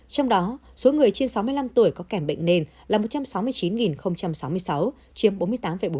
trong đó số người trên sáu mươi năm tuổi có kèm bệnh nền là một trăm sáu mươi chín sáu mươi sáu chiếm bốn mươi tám bốn